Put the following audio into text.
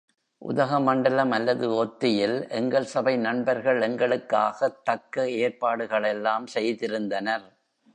உதகமண்டலம் அல்லது ஒத்தியில் எங்கள் சபை நண்பர்கள் எங்களுக்காகத் தக்க ஏற்பாடுகளெல்லாம் செய்திருந்தனர்.